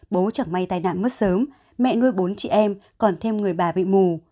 bố chẳng may tai nạn mất sớm mẹ nuôi bốn chị em còn thêm người bà bị mù